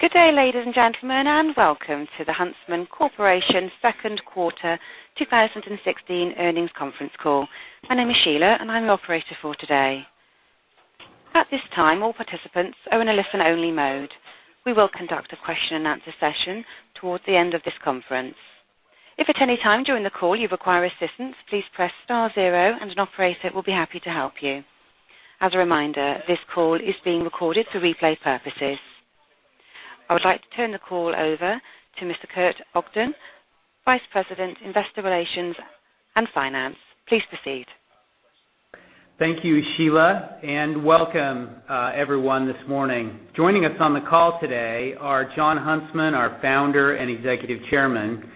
Good day, ladies and gentlemen, and welcome to the Huntsman Corporation second quarter 2016 earnings conference call. My name is Sheila, and I'm your operator for today. At this time, all participants are in a listen-only mode. We will conduct a question-and-answer session towards the end of this conference. If at any time during the call you require assistance, please press star zero, and an operator will be happy to help you. As a reminder, this call is being recorded for replay purposes. I would like to turn the call over to Mr. Kurt Ogden, Vice President, Investor Relations and Finance. Please proceed. Thank you, Sheila, welcome, everyone, this morning. Joining us on the call today are Jon Huntsman, our founder and Executive Chairman,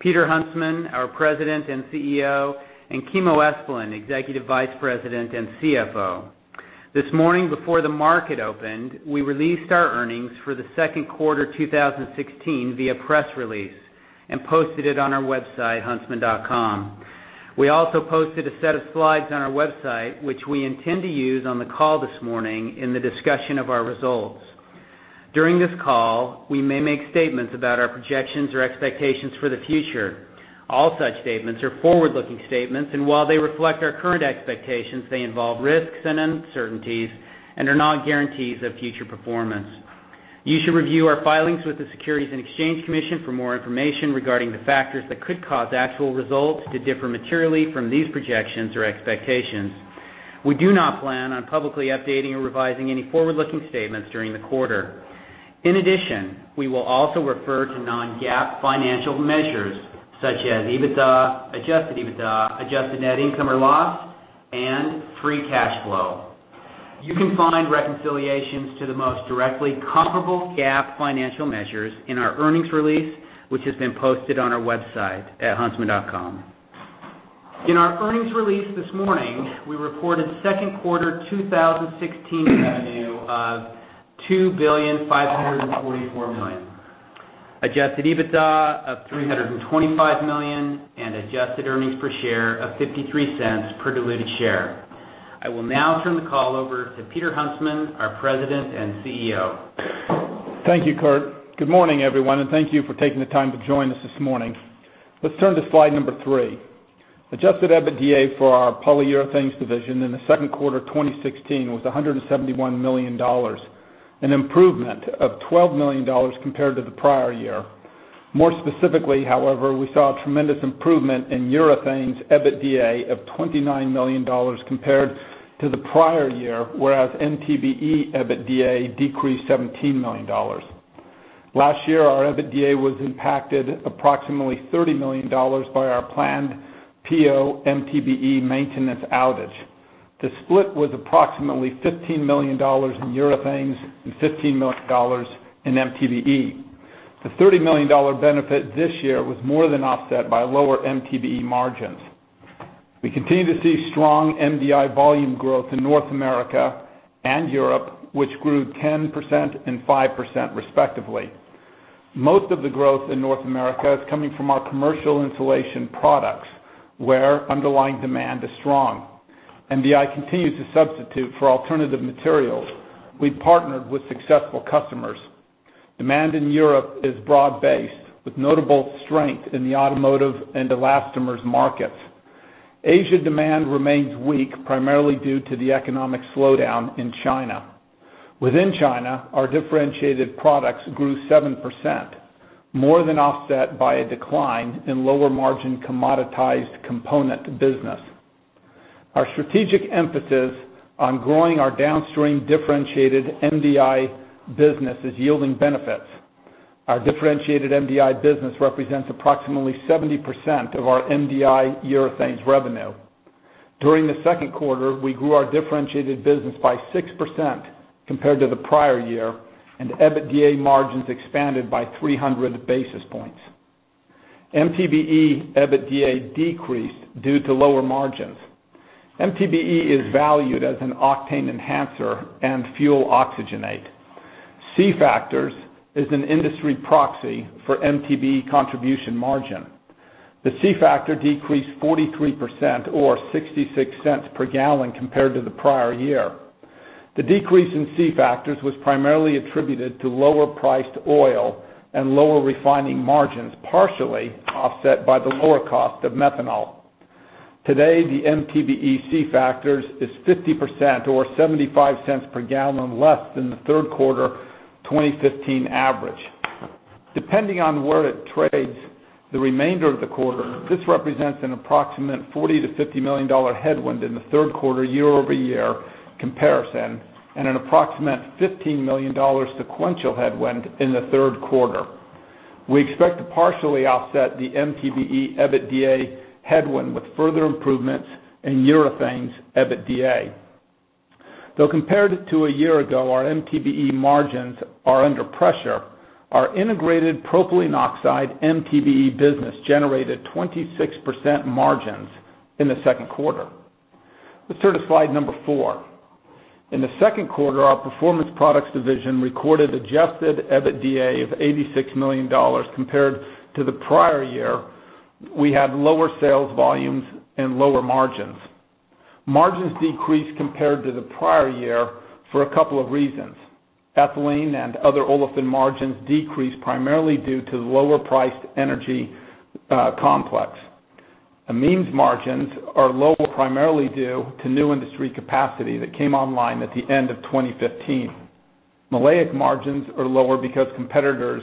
Peter Huntsman, our President and CEO, and Kimo Esplin, Executive Vice President and CFO. This morning before the market opened, we released our earnings for the second quarter 2016 via press release and posted it on our website, huntsman.com. We also posted a set of slides on our website, which we intend to use on the call this morning in the discussion of our results. During this call, we may make statements about our projections or expectations for the future. All such statements are forward-looking statements, while they reflect our current expectations, they involve risks and uncertainties and are not guarantees of future performance. You should review our filings with the Securities and Exchange Commission for more information regarding the factors that could cause actual results to differ materially from these projections or expectations. We do not plan on publicly updating or revising any forward-looking statements during the quarter. We will also refer to non-GAAP financial measures such as EBITDA, adjusted EBITDA, adjusted net income or loss, and free cash flow. You can find reconciliations to the most directly comparable GAAP financial measures in our earnings release, which has been posted on our website at huntsman.com. In our earnings release this morning, we reported second quarter 2016 revenue of $2.544 billion, adjusted EBITDA of $325 million, and adjusted earnings per share of $0.53 per diluted share. I will now turn the call over to Peter Huntsman, our President and CEO. Thank you, Kurt. Good morning, everyone, and thank you for taking the time to join us this morning. Let's turn to slide number three. Adjusted EBITDA for our Polyurethanes division in the second quarter 2016 was $171 million, an improvement of $12 million compared to the prior year. More specifically, however, we saw a tremendous improvement in urethanes EBITDA of $29 million compared to the prior year, whereas MTBE EBITDA decreased $17 million. Last year, our EBITDA was impacted approximately $30 million by our planned PO/MTBE maintenance outage. The split was approximately $15 million in urethanes and $15 million in MTBE. The $30 million benefit this year was more than offset by lower MTBE margins. We continue to see strong MDI volume growth in North America and Europe, which grew 10% and 5% respectively. Most of the growth in North America is coming from our commercial insulation products, where underlying demand is strong. MDI continues to substitute for alternative materials. We've partnered with successful customers. Demand in Europe is broad-based, with notable strength in the automotive and elastomers markets. Asia demand remains weak, primarily due to the economic slowdown in China. Within China, our differentiated products grew 7%, more than offset by a decline in lower-margin commoditized component business. Our strategic emphasis on growing our downstream differentiated MDI business is yielding benefits. Our differentiated MDI business represents approximately 70% of our MDI urethanes revenue. During the second quarter, we grew our differentiated business by 6% compared to the prior year, and EBITDA margins expanded by 300 basis points. MTBE EBITDA decreased due to lower margins. MTBE is valued as an octane enhancer and fuel oxygenate. C-Factors is an industry proxy for MTBE contribution margin. The C-Factor decreased 43% or $0.66 per gallon compared to the prior year. The decrease in C-Factors was primarily attributed to lower priced oil and lower refining margins, partially offset by the lower cost of methanol. Today, the MTBE C-Factors is 50% or $0.75 per gallon less than the third quarter 2015 average. Depending on where it trades the remainder of the quarter, this represents an approximate $40 million-$50 million headwind in the third quarter year-over-year comparison and an approximate $15 million sequential headwind in the third quarter. We expect to partially offset the MTBE EBITDA headwind with further improvements in urethanes EBITDA. Though compared to a year ago, our MTBE margins are under pressure, our integrated propylene oxide MTBE business generated 26% margins in the second quarter. Let's turn to slide number four. In the second quarter, our Performance Products division recorded adjusted EBITDA of $86 million. Compared to the prior year, we had lower sales volumes and lower margins. Margins decreased compared to the prior year for a couple of reasons. ethylene and other olefin margins decreased primarily due to the lower priced energy complex. amines margins are low primarily due to new industry capacity that came online at the end of 2015. maleic margins are lower because competitors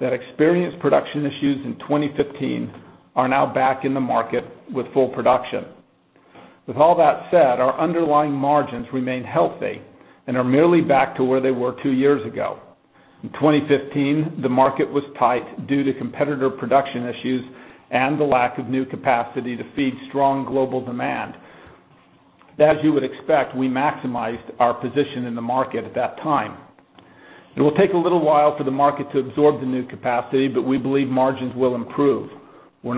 that experienced production issues in 2015 are now back in the market with full production. With all that said, our underlying margins remain healthy and are merely back to where they were two years ago. In 2015, the market was tight due to competitor production issues and the lack of new capacity to feed strong global demand. As you would expect, we maximized our position in the market at that time. It will take a little while for the market to absorb the new capacity, but we believe margins will improve. We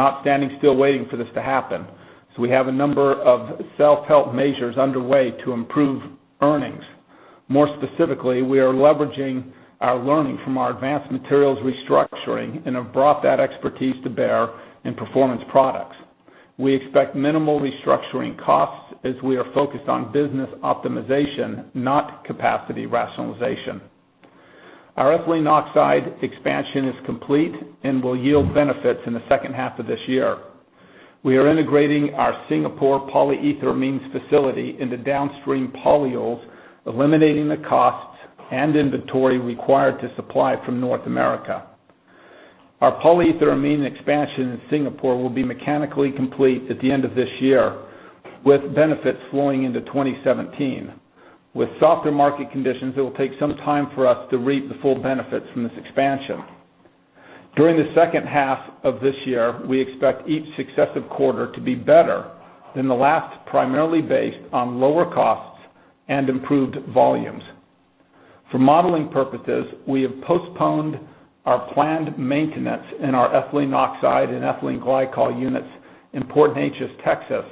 have a number of self-help measures underway to improve earnings. More specifically, we are leveraging our learning from our Advanced Materials restructuring and have brought that expertise to bear in Performance Products. We expect minimal restructuring costs as we are focused on business optimization, not capacity rationalization. Our ethylene oxide expansion is complete and will yield benefits in the second half of this year. We are integrating our Singapore polyetheramines facility into downstream polyols, eliminating the costs and inventory required to supply from North America. Our polyetheramine expansion in Singapore will be mechanically complete at the end of this year, with benefits flowing into 2017. With softer market conditions, it will take some time for us to reap the full benefits from this expansion. During the second half of this year, we expect each successive quarter to be better than the last, primarily based on lower costs and improved volumes. For modeling purposes, we have postponed our planned maintenance in our ethylene oxide and ethylene glycol units in Port Neches, Texas,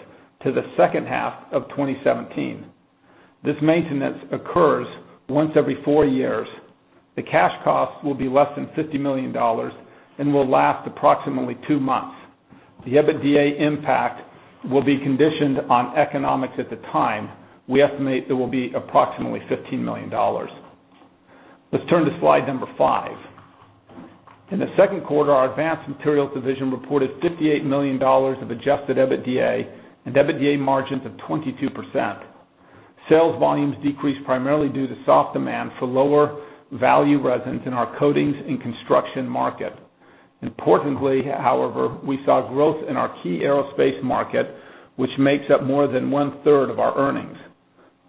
to the second half of 2017. This maintenance occurs once every four years. The cash costs will be less than $50 million and will last approximately two months. The EBITDA impact will be conditioned on economics at the time. We estimate it will be approximately $15 million. Let's turn to slide number five. In the second quarter, our Advanced Materials division reported $58 million of adjusted EBITDA and EBITDA margins of 22%. Sales volumes decreased primarily due to soft demand for lower value resins in our coatings and construction market. Importantly, however, we saw growth in our key aerospace market, which makes up more than one-third of our earnings.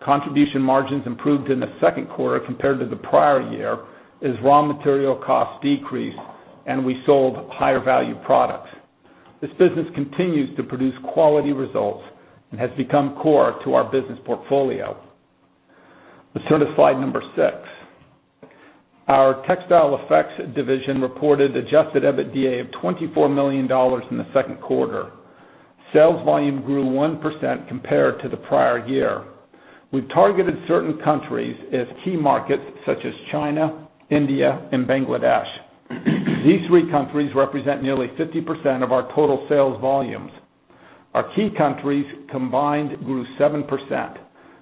Contribution margins improved in the second quarter compared to the prior year as raw material costs decreased, and we sold higher value products. This business continues to produce quality results and has become core to our business portfolio. Let's turn to slide number six. Our Textile Effects division reported adjusted EBITDA of $24 million in the second quarter. Sales volume grew 1% compared to the prior year. We've targeted certain countries as key markets such as China, India, and Bangladesh. These three countries represent nearly 50% of our total sales volumes. Our key countries combined grew 7%,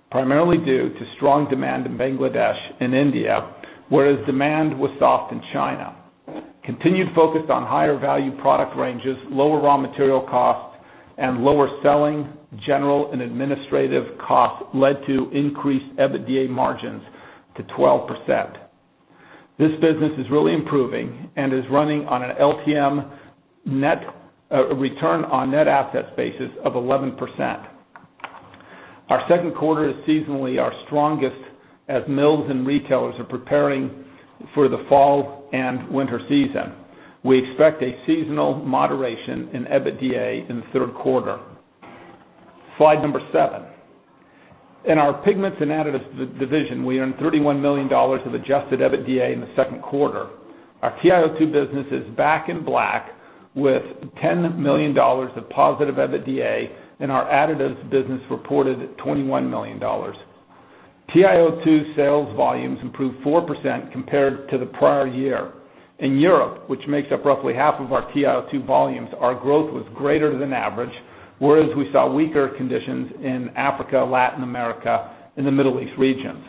primarily due to strong demand in Bangladesh and India, whereas demand was soft in China. Continued focus on higher value product ranges, lower raw material costs, and lower selling, general, and administrative costs led to increased EBITDA margins to 12%. This business is really improving and is running on an LTM return on net assets basis of 11%. Our second quarter is seasonally our strongest as mills and retailers are preparing for the fall and winter season. We expect a seasonal moderation in EBITDA in the third quarter. Slide number seven. In our Pigments and Additives division, we earned $31 million of adjusted EBITDA in the second quarter. Our TiO2 business is back in black with $10 million of positive EBITDA, and our additives business reported $21 million. TiO2 sales volumes improved 4% compared to the prior year. In Europe, which makes up roughly half of our TiO2 volumes, our growth was greater than average, whereas we saw weaker conditions in Africa, Latin America, and the Middle East regions.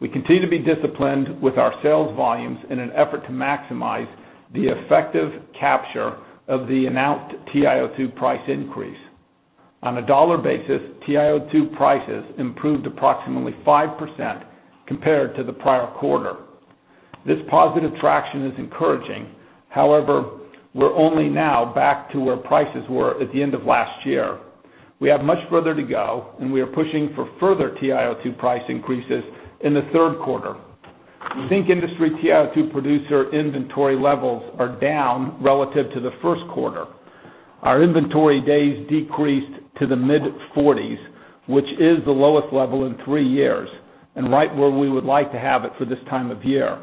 We continue to be disciplined with our sales volumes in an effort to maximize the effective capture of the announced TiO2 price increase. On a dollar basis, TiO2 prices improved approximately 5% compared to the prior quarter. This positive traction is encouraging. However, we're only now back to where prices were at the end of last year. We have much further to go, and we are pushing for further TiO2 price increases in the third quarter. We think industry TiO2 producer inventory levels are down relative to the first quarter. Our inventory days decreased to the mid-40s, which is the lowest level in three years and right where we would like to have it for this time of year.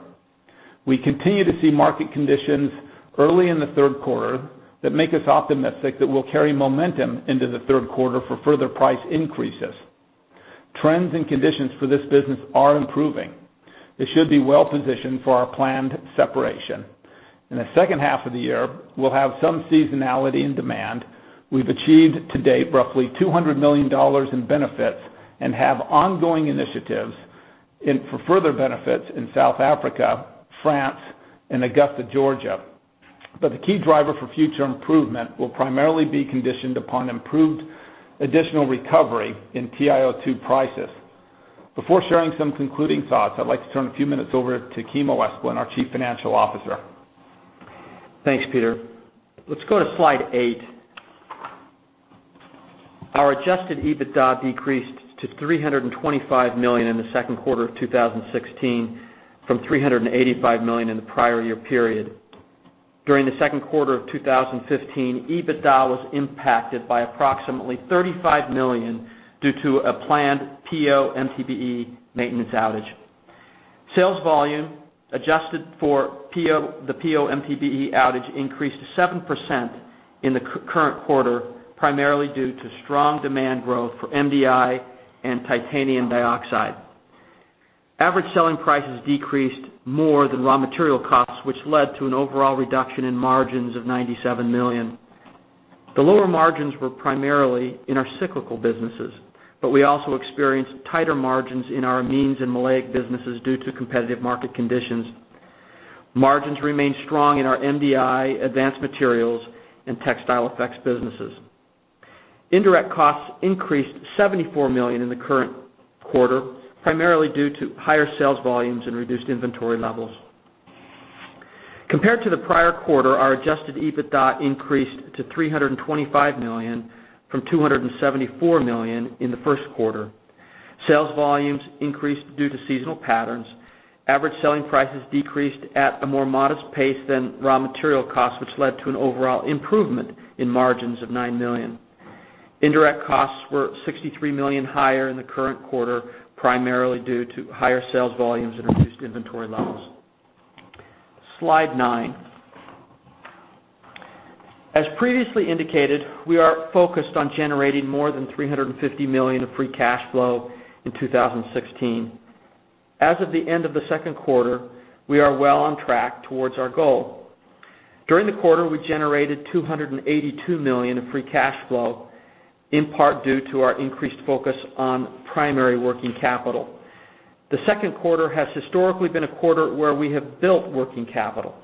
We continue to see market conditions early in the third quarter that make us optimistic that we'll carry momentum into the third quarter for further price increases. Trends and conditions for this business are improving. They should be well-positioned for our planned separation. In the second half of the year, we'll have some seasonality in demand. We've achieved to date roughly $200 million in benefits and have ongoing initiatives for further benefits in South Africa, France, and Augusta, Georgia. The key driver for future improvement will primarily be conditioned upon improved additional recovery in TiO2 prices. Before sharing some concluding thoughts, I'd like to turn a few minutes over to Kimo Esplin, our Chief Financial Officer. Thanks, Peter. Let's go to slide eight. Our adjusted EBITDA decreased to $325 million in the second quarter of 2016 from $385 million in the prior year period. During the second quarter of 2015, EBITDA was impacted by approximately $35 million due to a planned PO/MTBE maintenance outage. Sales volume, adjusted for the PO/MTBE outage, increased 7% in the current quarter, primarily due to strong demand growth for MDI and titanium dioxide. Average selling prices decreased more than raw material costs, which led to an overall reduction in margins of $97 million. The lower margins were primarily in our cyclical businesses, but we also experienced tighter margins in our amines and maleic businesses due to competitive market conditions. Margins remained strong in our MDI, Advanced Materials, and Textile Effects businesses. Indirect costs increased $74 million in the current quarter, primarily due to higher sales volumes and reduced inventory levels. Compared to the prior quarter, our adjusted EBITDA increased to $325 million from $274 million in the first quarter. Sales volumes increased due to seasonal patterns. Average selling prices decreased at a more modest pace than raw material costs, which led to an overall improvement in margins of $9 million. Indirect costs were $63 million higher in the current quarter, primarily due to higher sales volumes and reduced inventory levels. Slide nine. As previously indicated, we are focused on generating more than $350 million of free cash flow in 2016. As of the end of the second quarter, we are well on track towards our goal. During the quarter, we generated $282 million in free cash flow, in part due to our increased focus on primary working capital. The second quarter has historically been a quarter where we have built working capital.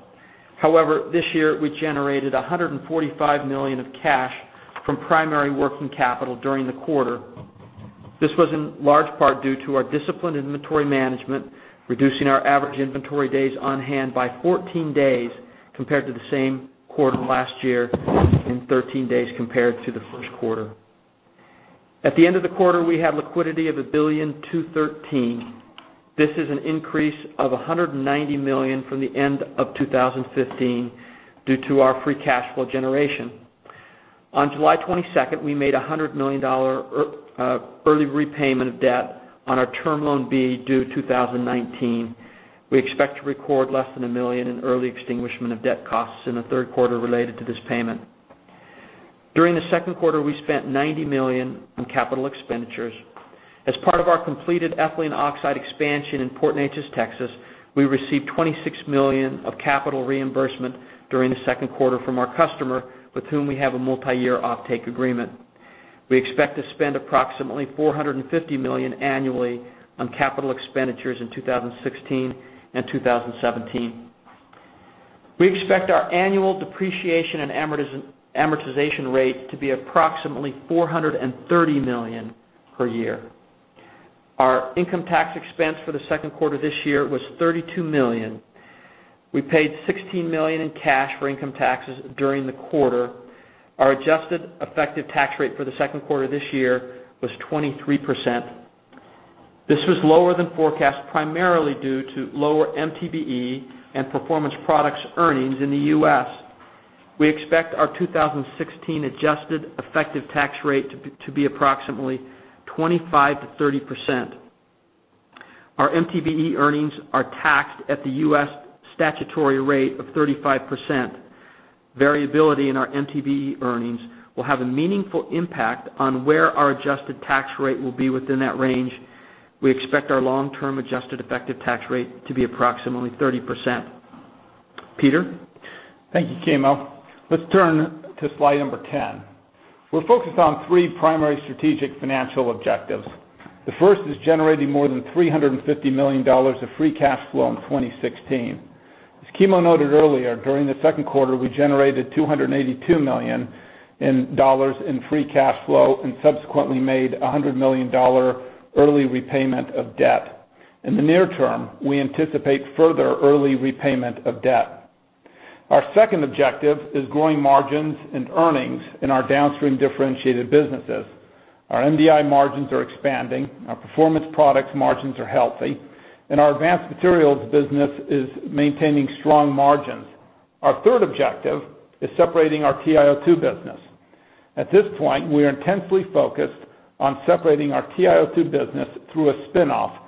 This year we generated $145 million of cash from primary working capital during the quarter. This was in large part due to our disciplined inventory management, reducing our average inventory days on hand by 14 days compared to the same quarter last year and 13 days compared to the first quarter. At the end of the quarter, we have liquidity of $1.213 billion. This is an increase of $190 million from the end of 2015 due to our free cash flow generation. On July 22nd, we made a $100 million early repayment of debt on our term loan B, due 2019. We expect to record less than $1 million in early extinguishment of debt costs in the third quarter related to this payment. During the second quarter, we spent $90 million on capital expenditures. As part of our completed ethylene oxide expansion in Port Neches, Texas, we received $26 million of capital reimbursement during the second quarter from our customer, with whom we have a multi-year offtake agreement. We expect to spend approximately $450 million annually on capital expenditures in 2016 and 2017. We expect our annual depreciation and amortization rate to be approximately $430 million per year. Our income tax expense for the second quarter this year was $32 million. We paid $16 million in cash for income taxes during the quarter. Our adjusted effective tax rate for the second quarter this year was 23%. This was lower than forecast, primarily due to lower MTBE and Performance Products earnings in the U.S. We expect our 2016 adjusted effective tax rate to be approximately 25%-30%. Our MTBE earnings are taxed at the U.S. statutory rate of 35%. Variability in our MTBE earnings will have a meaningful impact on where our adjusted tax rate will be within that range. We expect our long-term adjusted effective tax rate to be approximately 30%. Peter? Thank you, Kimo. Let's turn to slide number 10. We're focused on three primary strategic financial objectives. The first is generating more than $350 million of free cash flow in 2016. As Kimo noted earlier, during the second quarter, we generated $282 million in free cash flow and subsequently made a $100 million early repayment of debt. In the near term, we anticipate further early repayment of debt. Our second objective is growing margins and earnings in our downstream differentiated businesses. Our MDI margins are expanding, our Performance Products margins are healthy, and our Advanced Materials business is maintaining strong margins. Our third objective is separating our TiO2 business. At this point, we are intensely focused on separating our TiO2 business through a spin-off,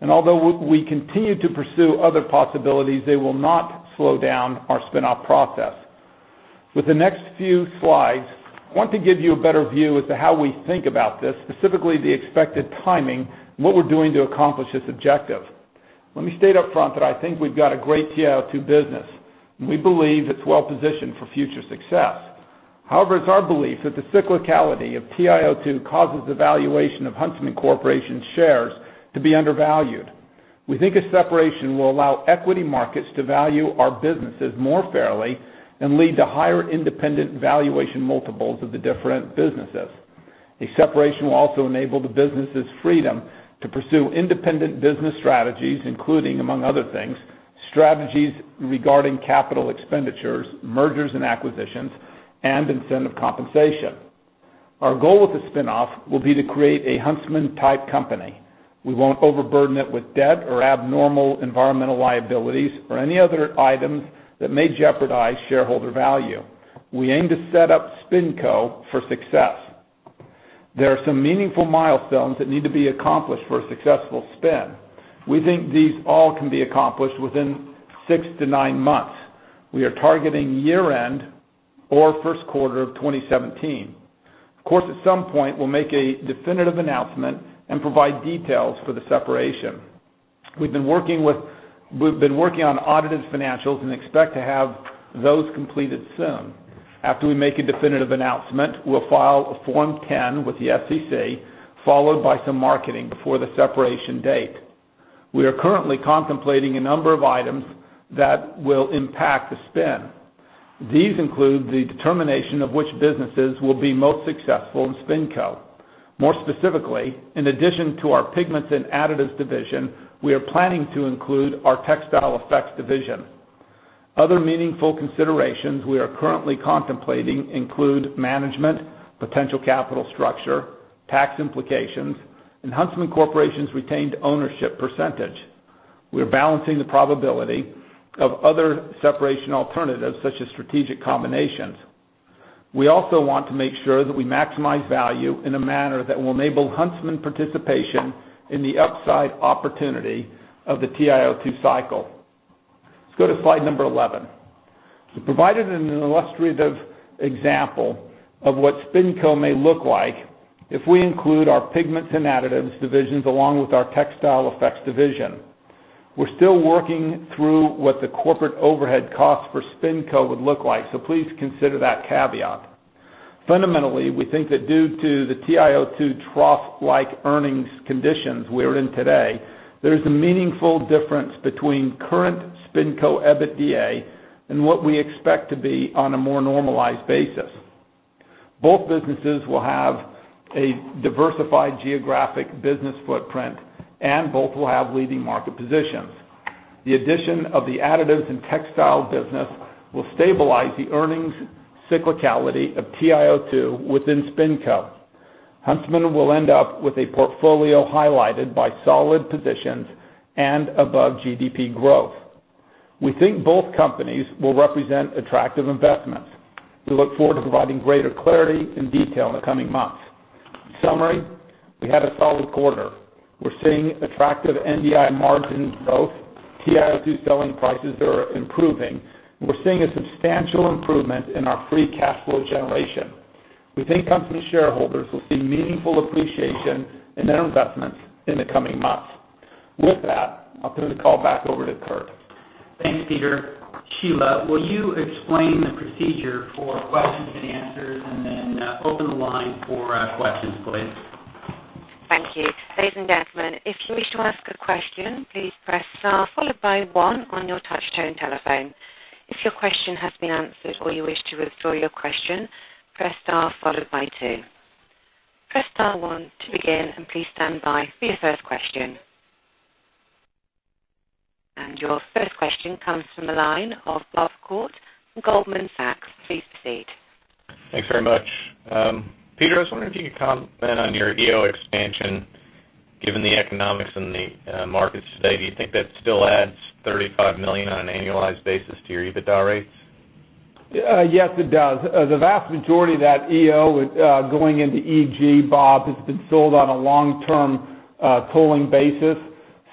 and although we continue to pursue other possibilities, they will not slow down our spin-off process. With the next few slides, I want to give you a better view as to how we think about this, specifically the expected timing and what we're doing to accomplish this objective. Let me state upfront that I think we've got a great TiO2 business, and we believe it's well-positioned for future success. However, it's our belief that the cyclicality of TiO2 causes the valuation of Huntsman Corporation's shares to be undervalued. We think a separation will allow equity markets to value our businesses more fairly and lead to higher independent valuation multiples of the different businesses. A separation will also enable the businesses freedom to pursue independent business strategies, including, among other things, strategies regarding capital expenditures, mergers and acquisitions, and incentive compensation. Our goal with the spin-off will be to create a Huntsman-type company. We won't overburden it with debt or abnormal environmental liabilities or any other items that may jeopardize shareholder value. We aim to set up SpinCo for success. There are some meaningful milestones that need to be accomplished for a successful spin. We think these all can be accomplished within six to nine months. We are targeting year-end or first quarter of 2017. Of course, at some point, we'll make a definitive announcement and provide details for the separation. We've been working on audited financials and expect to have those completed soon. After we make a definitive announcement, we'll file a Form 10 with the SEC, followed by some marketing before the separation date. We are currently contemplating a number of items that will impact the spin. These include the determination of which businesses will be most successful in SpinCo. More specifically, in addition to our Pigments and Additives division, we are planning to include our Textile Effects division. Other meaningful considerations we are currently contemplating include management, potential capital structure, tax implications, and Huntsman Corporation's retained ownership percentage. We are balancing the probability of other separation alternatives, such as strategic combinations. We also want to make sure that we maximize value in a manner that will enable Huntsman participation in the upside opportunity of the TiO2 cycle. Let's go to slide number 11. We provided an illustrative example of what SpinCo may look like if we include our Pigments and Additives divisions along with our Textile Effects division. We're still working through what the corporate overhead cost for SpinCo would look like, so please consider that caveat. Fundamentally, we think that due to the TiO2 trough-like earnings conditions we are in today, there is a meaningful difference between current SpinCo EBITDA and what we expect to be on a more normalized basis. Both businesses will have a diversified geographic business footprint, and both will have leading market positions. The addition of the Additives and Textile business will stabilize the earnings cyclicality of TiO2 within SpinCo. Huntsman will end up with a portfolio highlighted by solid positions and above GDP growth. We think both companies will represent attractive investments. We look forward to providing greater clarity and detail in the coming months. Summary, we had a solid quarter. We're seeing attractive MDI margin growth, TiO2 selling prices are improving, and we're seeing a substantial improvement in our free cash flow generation. We think Huntsman shareholders will see meaningful appreciation in their investments in the coming months. With that, I'll turn the call back over to Kurt. Thanks, Peter. Sheila, will you explain the procedure for questions and answers and then open the line for questions, please? Thank you. Ladies and gentlemen, if you wish to ask a question, please press star followed by one on your touchtone telephone. If your question has been answered or you wish to withdraw your question, press star followed by two. Press star one to begin, please stand by for your first question. Your first question comes from the line of Bob Koort from Goldman Sachs. Please proceed. Thanks very much. Peter, I was wondering if you could comment on your EO expansion, given the economics and the markets today. Do you think that still adds $35 million on an annualized basis to your EBITDA rates? Yes, it does. The vast majority of that EO going into EG, Bob, has been sold on a long-term tolling basis.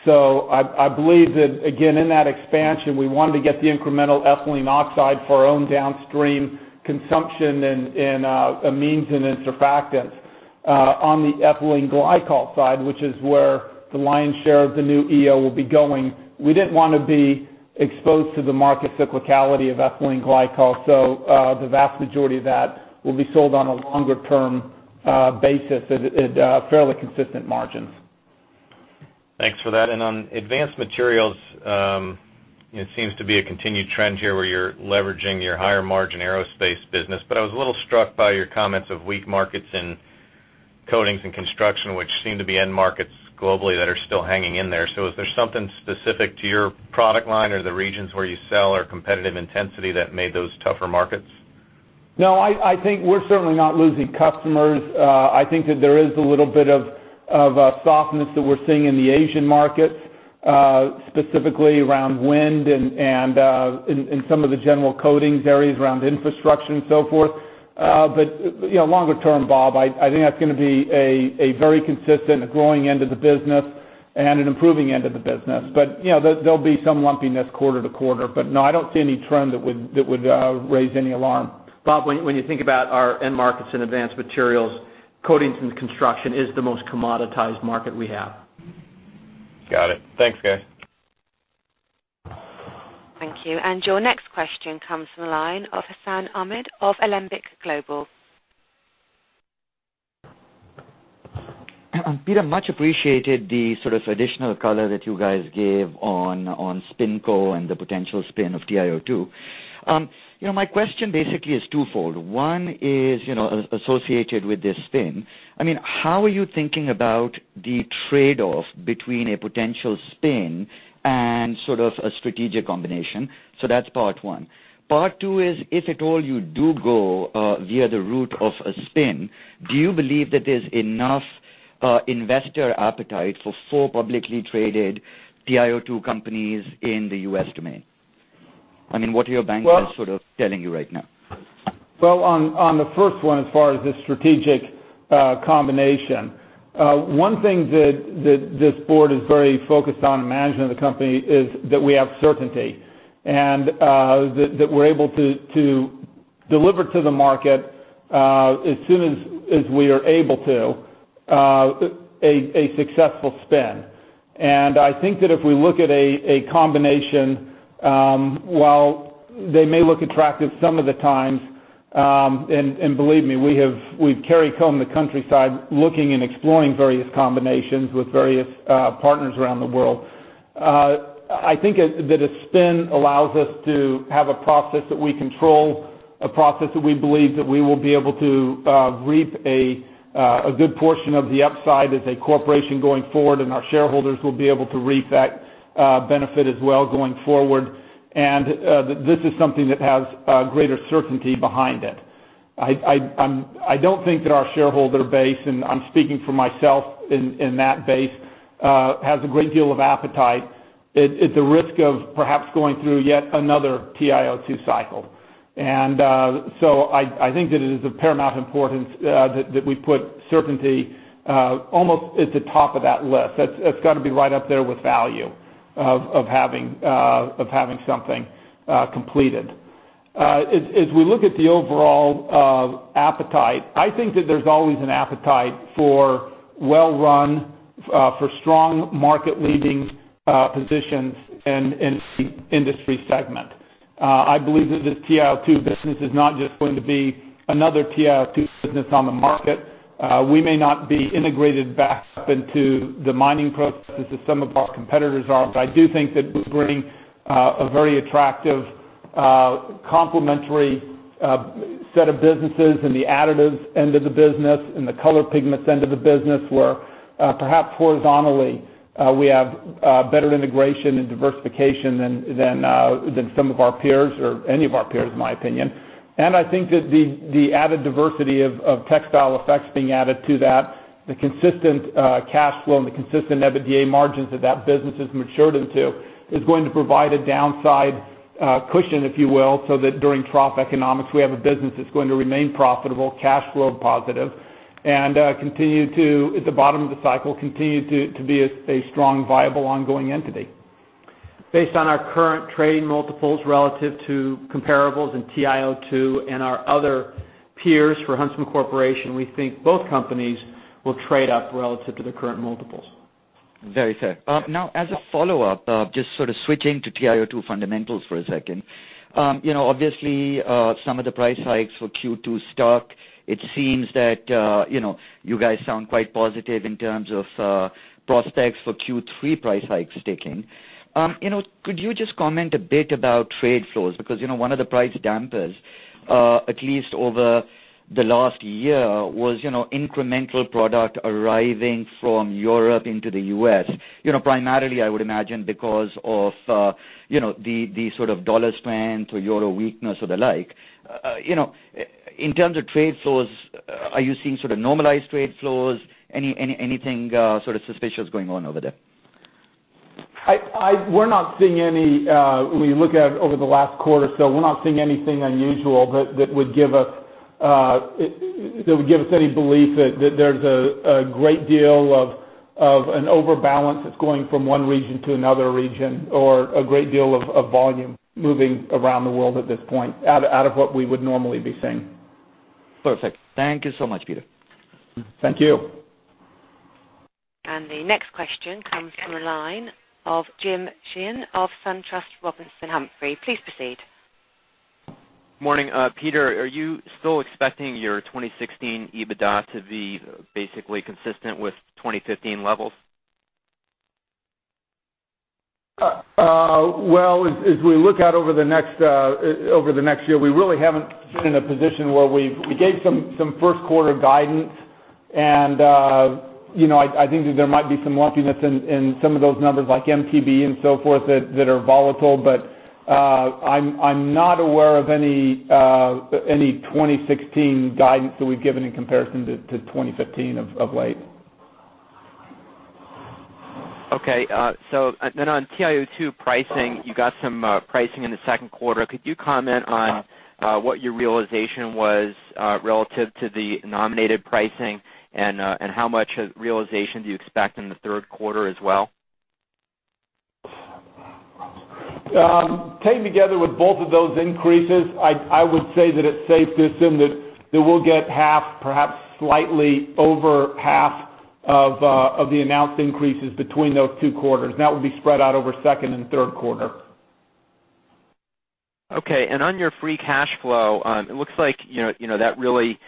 I believe that, again, in that expansion, we wanted to get the incremental ethylene oxide for our own downstream consumption in amines and in surfactants. On the ethylene glycol side, which is where the lion's share of the new EO will be going, we didn't want to be exposed to the market cyclicality of ethylene glycol, the vast majority of that will be sold on a longer-term basis at fairly consistent margins. Thanks for that. On Advanced Materials, it seems to be a continued trend here where you're leveraging your higher-margin aerospace business. I was a little struck by your comments of weak markets in coatings and construction, which seem to be end markets globally that are still hanging in there. Is there something specific to your product line or the regions where you sell or competitive intensity that made those tougher markets? No, I think we're certainly not losing customers. I think that there is a little bit of softness that we're seeing in the Asian markets, specifically around wind and in some of the general coatings areas around infrastructure and so forth. Longer term, Bob, I think that's going to be a very consistent growing end of the business. An improving end of the business. There'll be some lumpiness quarter to quarter. No, I don't see any trend that would raise any alarm. Bob, when you think about our end markets in Advanced Materials, coatings and construction is the most commoditized market we have. Got it. Thanks, guys. Thank you. Your next question comes from the line of Hassan Ahmed of Alembic Global. Peter, much appreciated the sort of additional color that you guys gave on SpinCo and the potential spin of TiO2. My question basically is twofold. One is associated with this spin. How are you thinking about the trade-off between a potential spin and sort of a strategic combination? That's part one. Part two is, if at all you do go via the route of a spin, do you believe that there's enough investor appetite for four publicly traded TiO2 companies in the U.S. domain? What are your bankers sort of telling you right now? Well, on the first one, as far as the strategic combination, one thing that this board is very focused on, and management of the company, is that we have certainty, and that we're able to deliver to the market, as soon as we are able to, a successful spin. I think that if we look at a combination, while they may look attractive some of the time, and believe me, we've fine-tooth combed the countryside looking and exploring various combinations with various partners around the world. I think that a spin allows us to have a process that we control, a process that we believe that we will be able to reap a good portion of the upside as a corporation going forward, and our shareholders will be able to reap that benefit as well going forward. This is something that has greater certainty behind it. I don't think that our shareholder base, and I'm speaking for myself in that base, has a great deal of appetite at the risk of perhaps going through yet another TiO2 cycle. I think that it is of paramount importance that we put certainty almost at the top of that list. That's got to be right up there with value of having something completed. As we look at the overall appetite, I think that there's always an appetite for well-run, for strong market leading positions in industry segment. I believe that this TiO2 business is not just going to be another TiO2 business on the market. We may not be integrated back up into the mining processes as some of our competitors are, I do think that we bring a very attractive complementary set of businesses in the additives end of the business, in the color pigments end of the business, where perhaps horizontally we have better integration and diversification than some of our peers, or any of our peers, in my opinion. I think that the added diversity of Textile Effects being added to that, the consistent cash flow and the consistent EBITDA margins that that business has matured into, is going to provide a downside cushion, if you will, so that during trough economics, we have a business that's going to remain profitable, cash flow positive, and at the bottom of the cycle, continue to be a strong, viable, ongoing entity. Based on our current trading multiples relative to comparables in TiO2 and our other peers for Huntsman Corporation, we think both companies will trade up relative to the current multiples. Very fair. Now, as a follow-up, just sort of switching to TiO2 fundamentals for a second. Obviously, some of the price hikes for Q2 stuck. It seems that you guys sound quite positive in terms of prospects for Q3 price hikes sticking. Could you just comment a bit about trade flows? Because one of the price dampers, at least over the last year, was incremental product arriving from Europe into the U.S. Primarily, I would imagine, because of the sort of dollar strength or euro weakness or the like. In terms of trade flows, are you seeing sort of normalized trade flows? Anything sort of suspicious going on over there? We're not seeing any, when you look at over the last quarter or so, we're not seeing anything unusual that would give us any belief that there's a great deal of an overbalance that's going from one region to another region, or a great deal of volume moving around the world at this point, out of what we would normally be seeing. Perfect. Thank you so much, Peter. Thank you. The next question comes from the line of Jim Sheehan of SunTrust Robinson Humphrey. Please proceed. Morning, Peter, are you still expecting your 2016 EBITDA to be basically consistent with 2015 levels? As we look out over the next year, we really haven't been in a position where we gave some first quarter guidance, and I think that there might be some lumpiness in some of those numbers like MTBE and so forth that are volatile. I'm not aware of any 2016 guidance that we've given in comparison to 2015 of late. Okay. On TiO2 pricing, you got some pricing in the second quarter. Could you comment on what your realization was relative to the nominated pricing, and how much realization do you expect in the third quarter as well? Taking together with both of those increases, I would say that it's safe to assume that we'll get half, perhaps slightly over half of the announced increases between those two quarters, and that would be spread out over second and third quarter. Okay. On your free cash flow, it looks like that really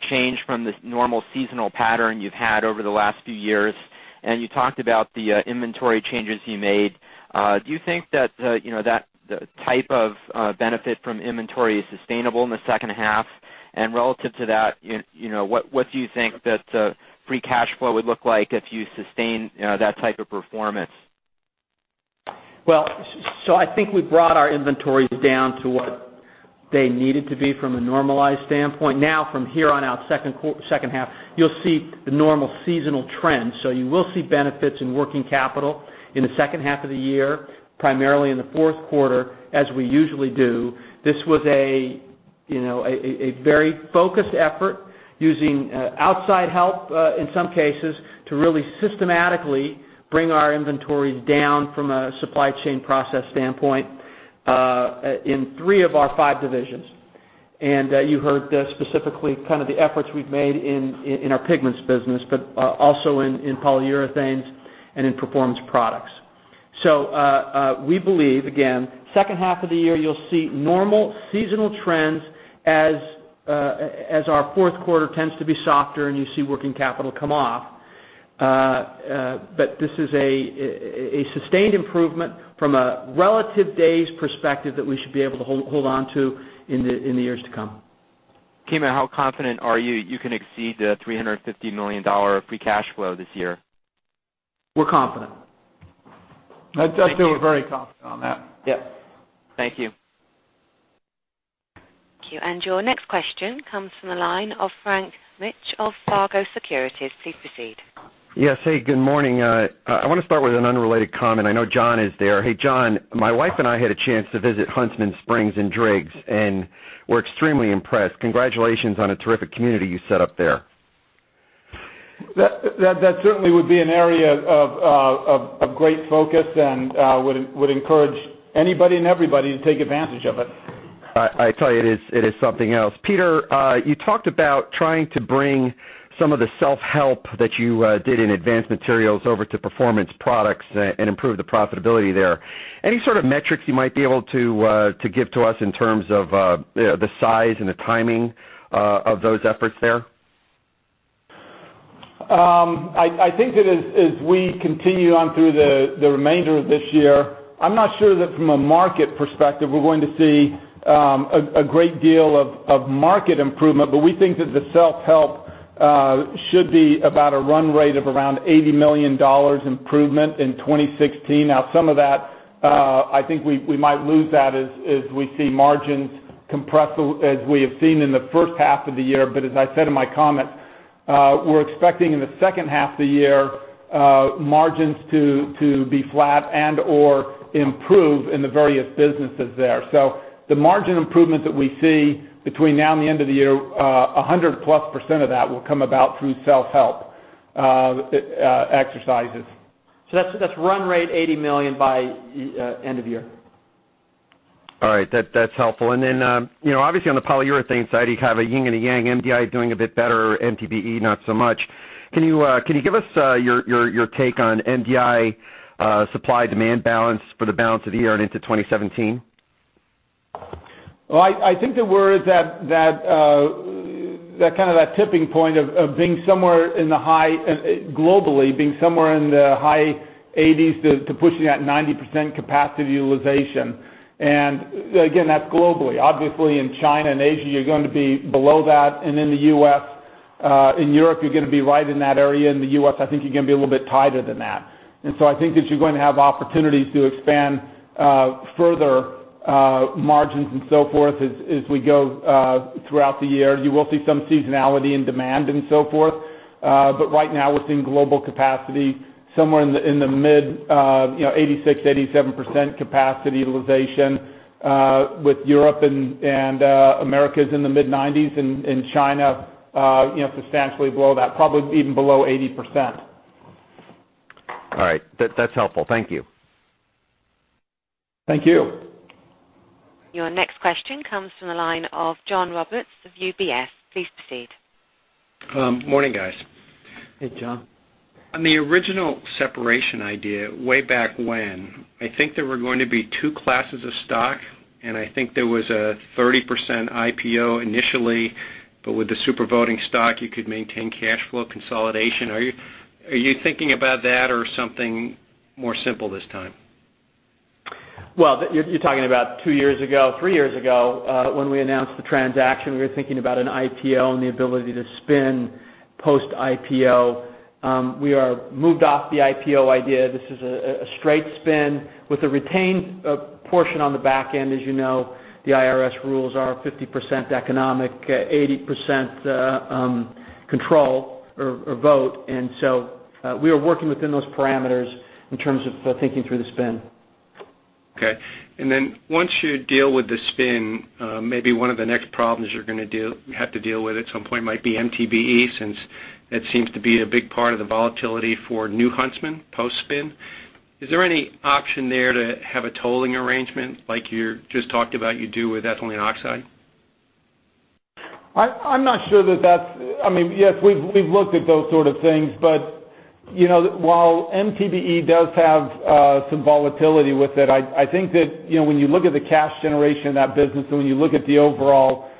changed from the normal seasonal pattern you've had over the last few years, and you talked about the inventory changes you made. Do you think that the type of benefit from inventory is sustainable in the second half? Relative to that, what do you think that free cash flow would look like if you sustain that type of performance? I think we brought our inventories down to what they needed to be from a normalized standpoint. From here on out, second half, you'll see the normal seasonal trends. You will see benefits in working capital in the second half of the year, primarily in the fourth quarter, as we usually do. This was a very focused effort using outside help, in some cases, to really systematically bring our inventories down from a supply chain process standpoint, in three of our five divisions. You heard specifically the efforts we've made in our pigments business, but also in Polyurethanes and in Performance Products. We believe, again, second half of the year, you'll see normal seasonal trends as our fourth quarter tends to be softer and you see working capital come off. This is a sustained improvement from a relative days perspective that we should be able to hold onto in the years to come. Kimo, how confident are you you can exceed the $350 million free cash flow this year? We're confident. I'd say we're very confident on that. Yep. Thank you. Thank you. Your next question comes from the line of Frank Mitsch of Wells Fargo Securities. Please proceed. Yes. Hey, good morning. I want to start with an unrelated comment. I know Jon is there. Hey, Jon, my wife and I had a chance to visit Huntsman Springs in Driggs, and we're extremely impressed. Congratulations on a terrific community you set up there. That certainly would be an area of great focus and would encourage anybody and everybody to take advantage of it. I tell you, it is something else. Peter, you talked about trying to bring some of the self-help that you did in Advanced Materials over to Performance Products and improve the profitability there. Any sort of metrics you might be able to give to us in terms of the size and the timing of those efforts there? I think that as we continue on through the remainder of this year, I'm not sure that from a market perspective, we're going to see a great deal of market improvement. We think that the self-help should be about a run rate of around $80 million improvement in 2016. Now, some of that, I think we might lose that as we see margins compress as we have seen in the first half of the year. As I said in my comment, we're expecting in the second half of the year margins to be flat and/or improve in the various businesses there. The margin improvement that we see between now and the end of the year, 100-plus% of that will come about through self-help exercises. That's run rate $80 million by end of year. All right. That's helpful. Obviously on the Polyurethanes side, you have a yin and a yang, MDI doing a bit better, MTBE not so much. Can you give us your take on MDI supply-demand balance for the balance of the year and into 2017? Well, I think that we're at that kind of that tipping point of globally being somewhere in the high 80s to pushing that 90% capacity utilization. Again, that's globally. Obviously in China and Asia, you're going to be below that. In Europe, you're going to be right in that area. In the U.S., I think you're going to be a little bit tighter than that. I think that you're going to have opportunities to expand further margins and so forth as we go throughout the year. You will see some seasonality in demand and so forth. Right now we're seeing global capacity somewhere in the mid 86%, 87% capacity utilization, with Europe and Americas in the mid 90s and China substantially below that, probably even below 80%. All right. That's helpful. Thank you. Thank you. Your next question comes from the line of John Roberts of UBS. Please proceed. Morning, guys. Hey, John. On the original separation idea, way back when, I think there were going to be two classes of stock, and I think there was a 30% IPO initially, but with the super voting stock, you could maintain cash flow consolidation. Are you thinking about that or something more simple this time? Well, you're talking about two years ago, three years ago, when we announced the transaction, we were thinking about an IPO and the ability to spin post-IPO. We are moved off the IPO idea. This is a straight spin with a retained portion on the back end. As you know, the IRS rules are 50% economic, 80% control or vote. We are working within those parameters in terms of thinking through the spin. Okay. Once you deal with the spin, maybe one of the next problems you're going to have to deal with at some point might be MTBE, since that seems to be a big part of the volatility for new Huntsman, post-spin. Is there any option there to have a tolling arrangement like you just talked about you do with ethylene oxide? Yes, we've looked at those sort of things. While MTBE does have some volatility with it, I think that when you look at the cash generation of that business and when you look at the overall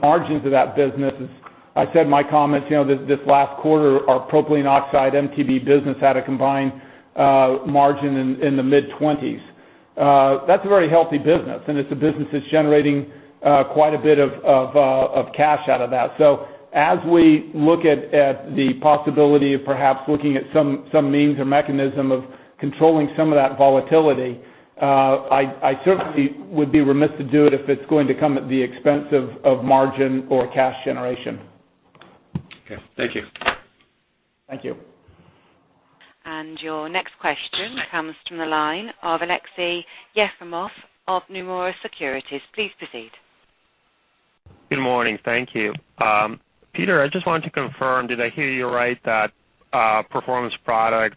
margins of that business, as I said in my comments, this last quarter, our propylene oxide MTBE business had a combined margin in the mid-20s. That's a very healthy business, and it's a business that's generating quite a bit of cash out of that. As we look at the possibility of perhaps looking at some means or mechanism of controlling some of that volatility, I certainly would be remiss to do it if it's going to come at the expense of margin or cash generation. Okay. Thank you. Thank you. Your next question comes from the line of Aleksey Yefremov of Nomura Securities. Please proceed. Good morning. Thank you. Peter, I just wanted to confirm, did I hear you right that Performance Products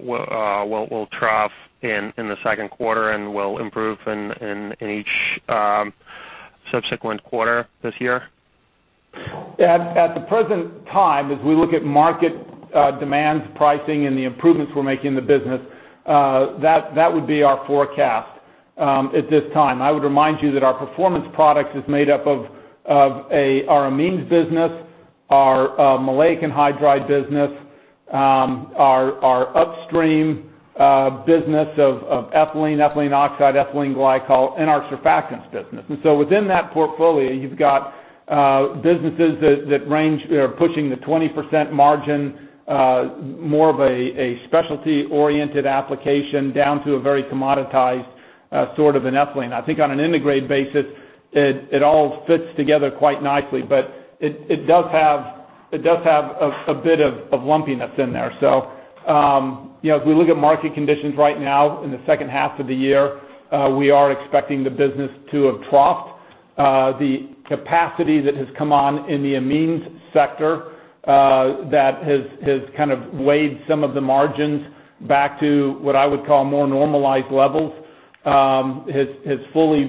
will trough in the second quarter and will improve in each subsequent quarter this year? At the present time, as we look at market demands, pricing, and the improvements we're making in the business, that would be our forecast at this time. I would remind you that our Performance Products is made up of our amines business, our maleic anhydride business, our upstream business of ethylene oxide, ethylene glycol, and our surfactants business. Within that portfolio, you've got businesses that range from pushing the 20% margin, more of a specialty-oriented application, down to a very commoditized ethylene. I think on an integrated basis, it all fits together quite nicely. It does have a bit of lumpiness in there. As we look at market conditions right now in the second half of the year, we are expecting the business to have troughed. The capacity that has come on in the amines sector that has kind of weighed some of the margins back to what I would call more normalized levels has fully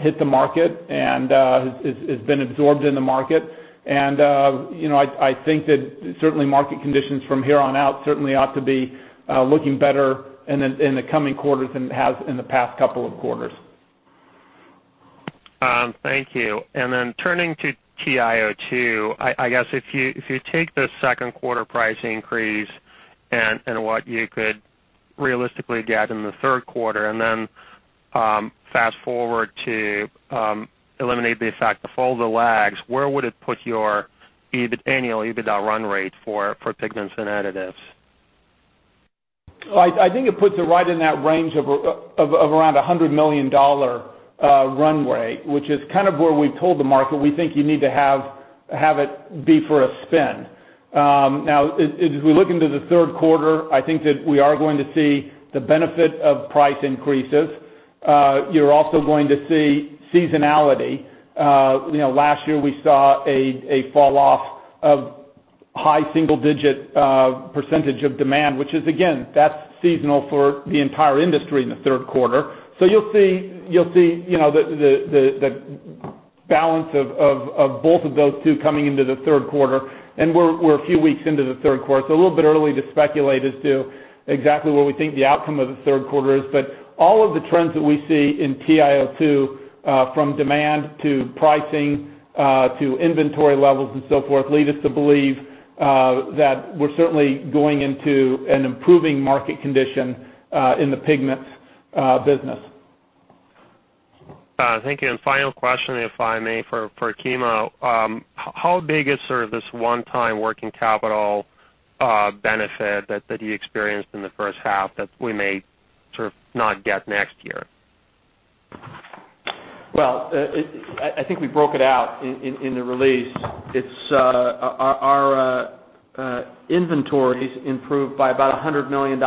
hit the market and has been absorbed in the market. I think that certainly market conditions from here on out certainly ought to be looking better in the coming quarters than it has in the past couple of quarters. Thank you. Turning to TiO2, if you take the second quarter price increase and what you could realistically get in the third quarter, fast-forward to eliminate the effect of all the lags, where would it put your annual EBITDA run rate for Pigments and Additives? I think it puts it right in that range of around $100 million runway, which is kind of where we've told the market we think you need to have it be for a spin. As we look into the third quarter, I think that we are going to see the benefit of price increases. You're also going to see seasonality. Last year we saw a fall off of high single-digit % of demand, which is, again, that's seasonal for the entire industry in the third quarter. You'll see the balance of both of those two coming into the third quarter, and we're a few weeks into the third quarter. A little bit early to speculate as to exactly what we think the outcome of the third quarter is. All of the trends that we see in TiO2 from demand to pricing to inventory levels and so forth lead us to believe that we're certainly going into an improving market condition in the Pigments business. Thank you. Final question, if I may, for Kimo. How big is this one-time working capital benefit that you experienced in the first half that we may sort of not get next year? Well, I think we broke it out in the release. Our inventories improved by about $100 million,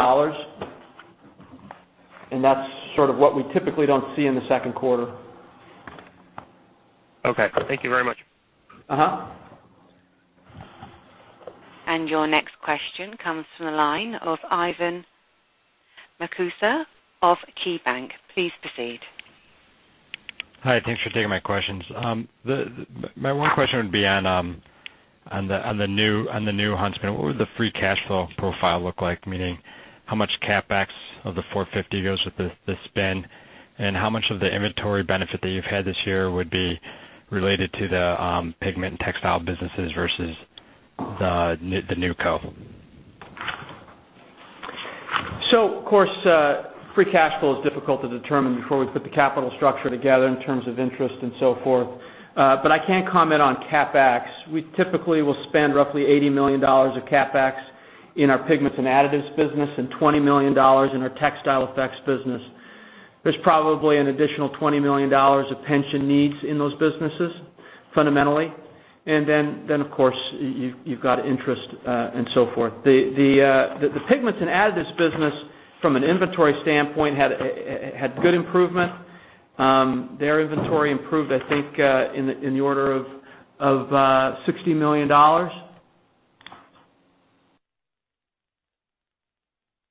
that's sort of what we typically don't see in the second quarter. Okay. Thank you very much. Your next question comes from the line of Ivan Marcuse of KeyBanc. Please proceed. Hi. Thanks for taking my questions. My one question would be on the new Huntsman. What would the free cash flow profile look like? Meaning how much CapEx of the 450 goes with the spin, and how much of the inventory benefit that you've had this year would be related to the pigment and textile businesses versus the NewCo? Of course, free cash flow is difficult to determine before we put the capital structure together in terms of interest and so forth. I can comment on CapEx. We typically will spend roughly $80 million of CapEx in our Pigments and Additives business and $20 million in our Textile Effects business. There's probably an additional $20 million of pension needs in those businesses fundamentally. Of course, you've got interest and so forth. The Pigments and Additives business from an inventory standpoint had good improvement. Their inventory improved, I think, in the order of $60 million.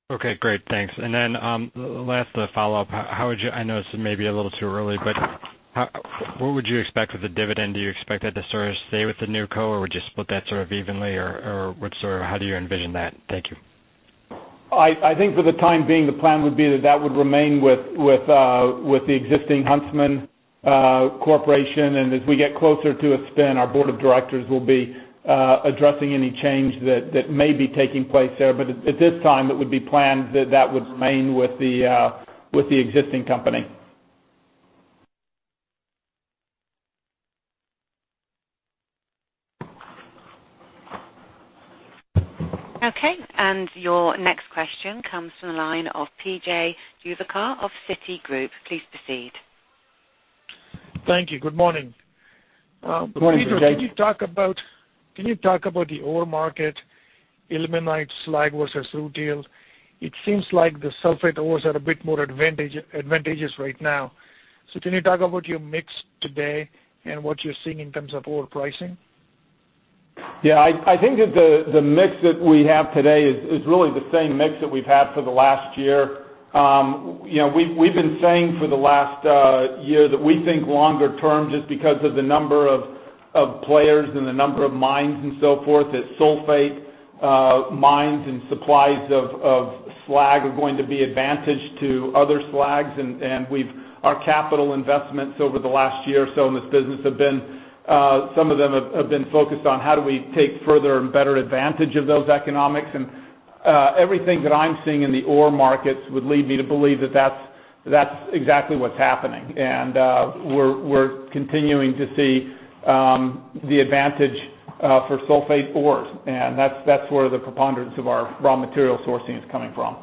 Okay, great. Thanks. Last, a follow-up. I know this may be a little too early, what would you expect with the dividend? Do you expect that to sort of stay with the NewCo, or would you split that sort of evenly, or how do you envision that? Thank you. I think for the time being, the plan would be that that would remain with the existing Huntsman Corporation. As we get closer to a spin, our board of directors will be addressing any change that may be taking place there. At this time, it would be planned that that would remain with the existing company. Okay. Your next question comes from the line of PJ Juvekar of Citigroup. Please proceed. Thank you. Good morning. Good morning, PJ. Peter, can you talk about the ore market, ilmenite, slag versus rutile? It seems like the sulfate ores are a bit more advantageous right now. Can you talk about your mix today and what you're seeing in terms of ore pricing? I think that the mix that we have today is really the same mix that we've had for the last year. We've been saying for the last year that we think longer term, just because of the number of players and the number of mines and so forth, that sulfate mines and supplies of slag are going to be advantaged to other slags. Our capital investments over the last year or so in this business, some of them have been focused on how do we take further and better advantage of those economics. Everything that I'm seeing in the ore markets would lead me to believe that that's exactly what's happening. We're continuing to see the advantage for sulfate ores, and that's where the preponderance of our raw material sourcing is coming from.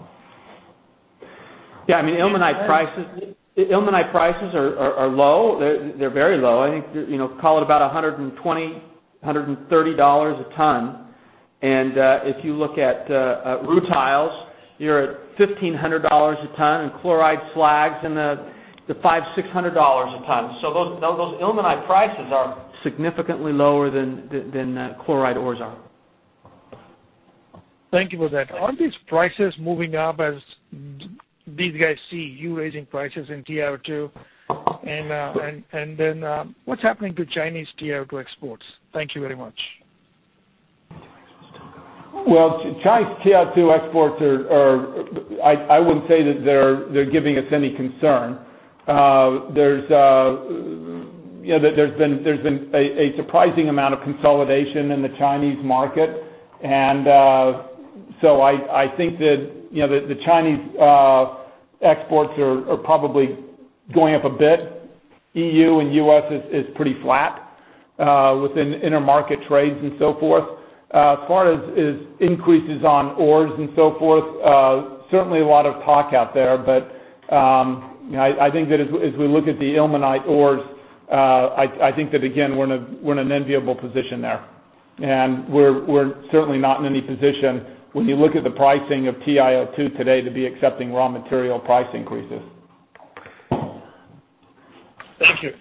Ilmenite prices are low. They're very low. I think, call it about $120, $130 a ton. If you look at rutiles, you're at $1,500 a ton, and chloride slags in the $500, $600 a ton. Those ilmenite prices are significantly lower than chloride ores are. Thank you for that. Are these prices moving up as these guys see you raising prices in TiO2? What's happening to Chinese TiO2 exports? Thank you very much. Well, Chinese TiO2 exports are, I wouldn't say that they're giving us any concern. There's been a surprising amount of consolidation in the Chinese market. I think that the Chinese exports are probably going up a bit. EU and U.S. is pretty flat within intermarket trades and so forth. As far as increases on ores and so forth, certainly a lot of talk out there. I think that as we look at the ilmenite ores, I think that, again, we're in an enviable position there. We're certainly not in any position, when you look at the pricing of TiO2 today, to be accepting raw material price increases. Thank you.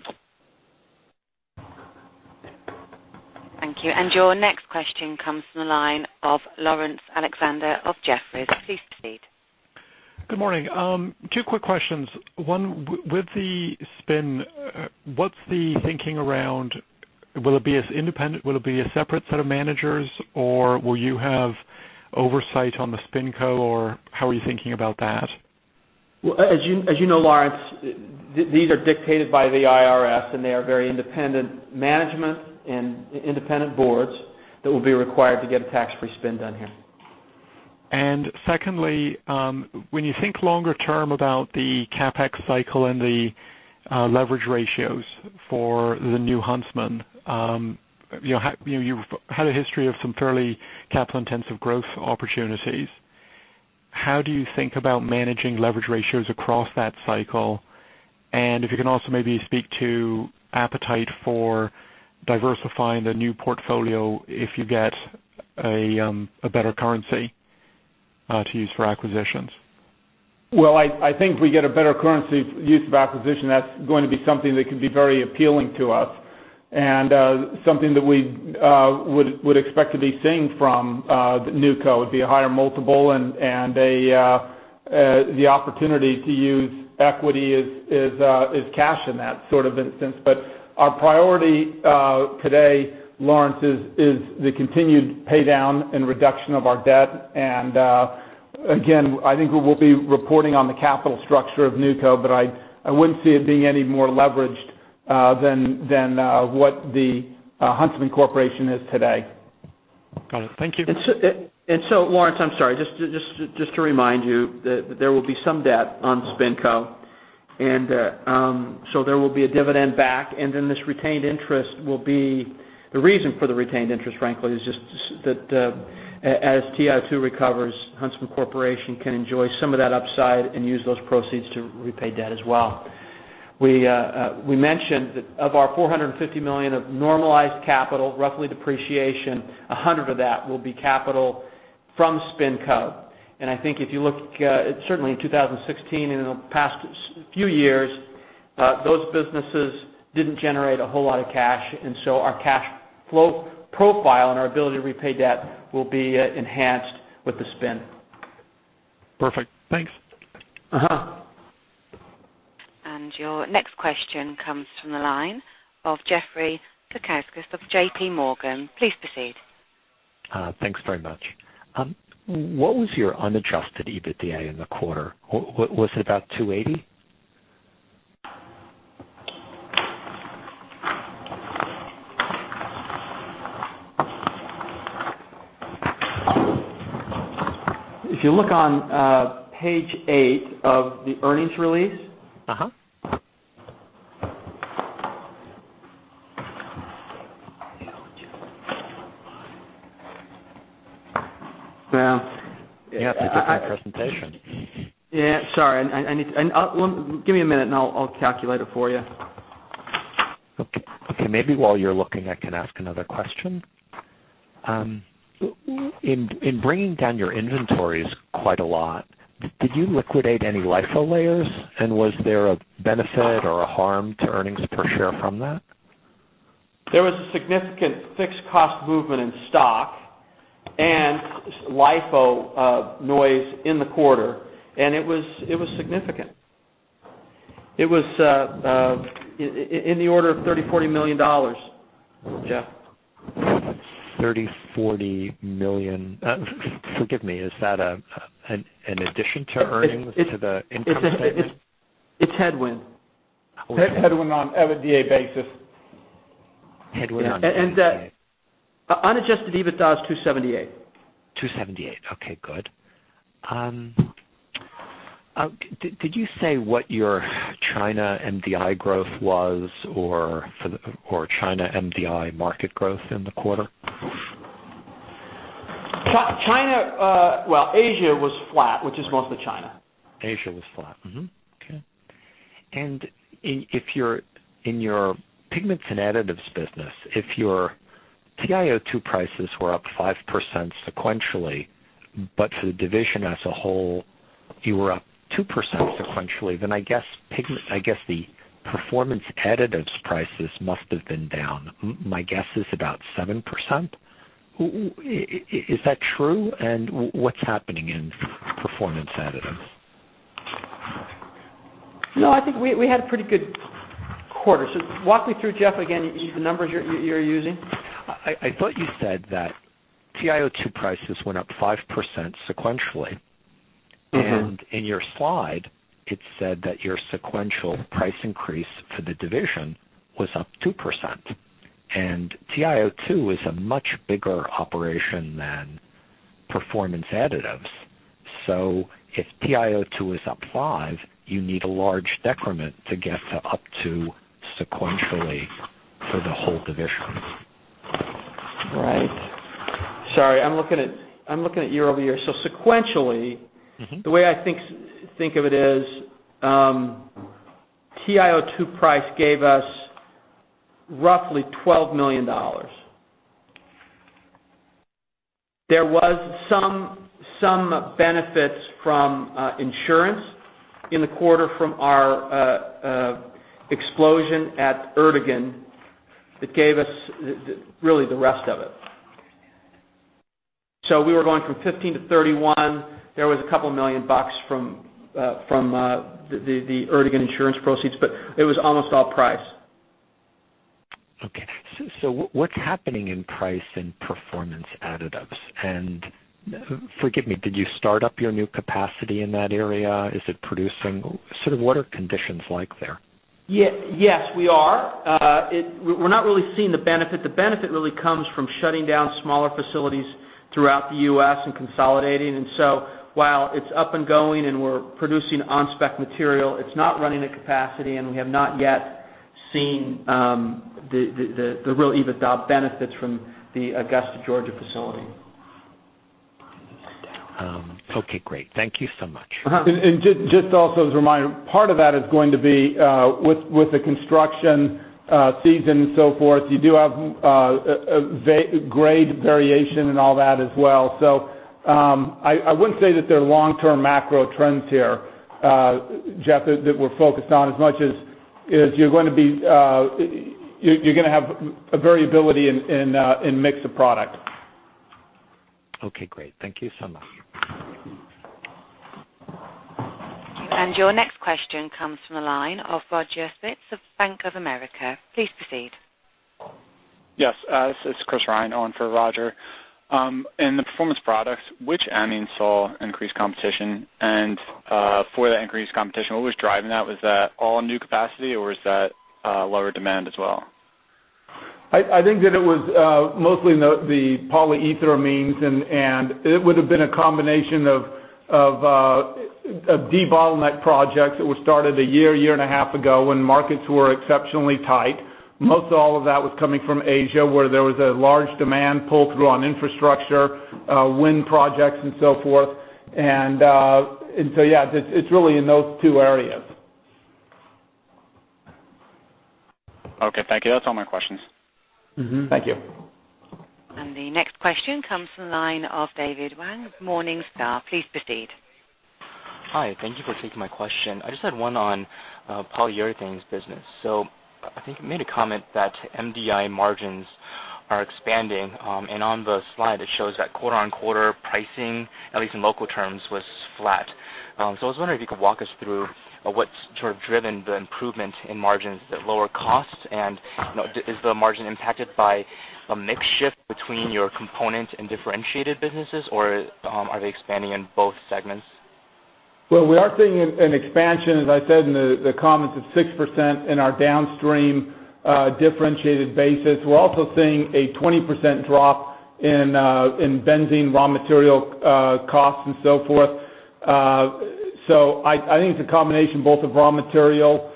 Thank you. Your next question comes from the line of Laurence Alexander of Jefferies. Please proceed. Good morning. Two quick questions. One, with the spin, what's the thinking around will it be a separate set of managers, or will you have oversight on the SpinCo, or how are you thinking about that? As you know, Laurence, these are dictated by the IRS. They are very independent management and independent boards that will be required to get a tax-free spin done here. Secondly, when you think longer term about the CapEx cycle and the leverage ratios for the new Huntsman, you've had a history of some fairly capital-intensive growth opportunities. How do you think about managing leverage ratios across that cycle? If you can also maybe speak to appetite for diversifying the new portfolio if you get a better currency to use for acquisitions. Well, I think if we get a better currency use of acquisition, that's going to be something that can be very appealing to us. Something that we would expect to be seeing from NewCo would be a higher multiple, and the opportunity to use equity as cash in that sort of instance. Our priority today, Laurence, is the continued paydown and reduction of our debt. Again, I think we will be reporting on the capital structure of NewCo, but I wouldn't see it being any more leveraged than what the Huntsman Corporation is today. Got it. Thank you. Laurence, I'm sorry, just to remind you that there will be some debt on SpinCo, There will be a dividend back, This retained interest will be the reason for the retained interest, frankly, is just that as TiO2 recovers, Huntsman Corporation can enjoy some of that upside and use those proceeds to repay debt as well. We mentioned that of our $450 million of normalized capital, roughly depreciation, $100 of that will be capital from SpinCo. I think if you look, certainly in 2016 and in the past few years, those businesses didn't generate a whole lot of cash. Our cash flow profile and our ability to repay debt will be enhanced with the spin. Perfect. Thanks. Your next question comes from the line of Jeffrey Zekauskas of J.P. Morgan. Please proceed. Thanks very much. What was your unadjusted EBITDA in the quarter? Was it about 280? If you look on page eight of the earnings release. Now. You have to give that presentation. Yeah, sorry. Give me a minute and I'll calculate it for you. Okay. Maybe while you're looking, I can ask another question. In bringing down your inventories quite a lot, did you liquidate any LIFO layers? Was there a benefit or a harm to earnings per share from that? There was a significant fixed cost movement in stock and LIFO noise in the quarter. It was significant. It was in the order of $30, $40 million. Jeff? $30, $40 million. Forgive me, is that an addition to earnings- It's- -to the income statement? It's headwind. Headwind on EBITDA basis. Headwind on EBITDA. Unadjusted EBITDA is $278. $278. Okay, good. Did you say what your China MDI growth was or China MDI market growth in the quarter? China. Well, Asia was flat, which is mostly China. Asia was flat. Okay. In your Pigments and Additives business, if your TiO2 prices were up 5% sequentially, but for the division as a whole, you were up 2% sequentially, then I guess the performance additives prices must have been down. My guess is about 7%. Is that true? What's happening in performance additives? No, I think we had a pretty good quarter. Walk me through, Jeff, again, the numbers you're using. I thought you said that TiO2 prices went up 5% sequentially. In your slide, it said that your sequential price increase for the division was up 2%. TiO2 is a much bigger operation than Performance Products. If TiO2 is up 5, you need a large decrement to get to up to sequentially for the whole division. Right. Sorry, I'm looking at year-over-year. Sequentially- the way I think of it is, TiO2 price gave us roughly $12 million. There was some benefits from insurance in the quarter from our explosion at Geismar that gave us really the rest of it. We were going from 15 to 31. There was a couple million dollars from the Geismar insurance proceeds, but it was almost all price. Okay. What's happening in price and Performance Products? Forgive me, did you start up your new capacity in that area? Is it producing? Sort of what are conditions like there? Yes, we are. We're not really seeing the benefit. The benefit really comes from shutting down smaller facilities throughout the U.S. and consolidating. While it's up and going and we're producing on-spec material, it's not running at capacity, and we have not yet seen the real EBITDA benefits from the Augusta, Georgia facility. Okay, great. Thank you so much. Just also as a reminder, part of that is going to be with the construction season and so forth. You do have grade variation and all that as well. I wouldn't say that they're long-term macro trends here, Jeff, that we're focused on as much as you're going to have a variability in mix of product. Okay, great. Thank you so much. Your next question comes from the line of Roger Spitz of Bank of America. Please proceed. Yes. It's Chris Ryan on for Roger. In the Performance Products, which amine saw increased competition? For the increased competition, what was driving that? Was that all new capacity or was that lower demand as well? I think that it was mostly the polyether amines, and it would've been a combination of de-bottleneck projects that were started a year and a half ago, when markets were exceptionally tight. Most all of that was coming from Asia, where there was a large demand pull through on infrastructure, wind projects, and so forth. Yeah, it's really in those two areas. Okay. Thank you. That's all my questions. Thank you. The next question comes from the line of David Wang, Morningstar. Please proceed. Hi. Thank you for taking my question. I just had one on Polyurethanes business. I think you made a comment that MDI margins are expanding. On the slide, it shows that quarter-on-quarter pricing, at least in local terms, was flat. I was wondering if you could walk us through what's sort of driven the improvement in margins at lower costs, and is the margin impacted by a mix shift between your component and differentiated businesses, or are they expanding in both segments? Well, we are seeing an expansion, as I said in the comments, of 6% in our downstream differentiated basis. We're also seeing a 20% drop in benzene raw material costs and so forth. I think it's a combination both of raw material